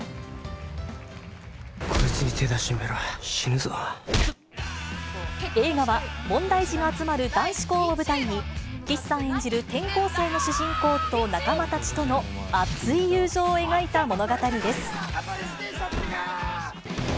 こいつに手出してみろ、映画は、問題児が集まる男子校を舞台に、岸さん演じる転校生の主人公と仲間たちとの熱い友情を描いた物語です。